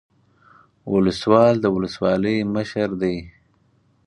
ولسوال د ولسوالۍ مشر دی